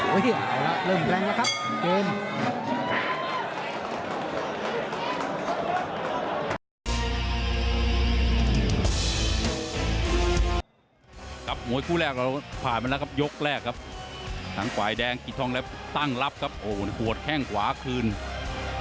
โอ้โหเริ่มแปลงแล้วครับเกม